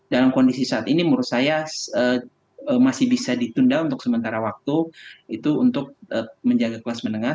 dalam kondisi saat ini menurut saya masih bisa ditunda untuk sementara waktu itu untuk menjaga kelas menengah